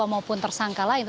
maupun tersangka lain